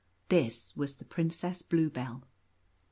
This was the Prin cess Bluebell.